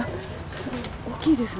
すごい大きいですね。